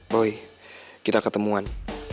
boy kita ketemuan